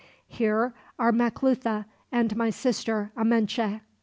Here are Maclutha, and my sister, Amenche."